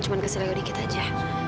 cuma keselakuan dikit aja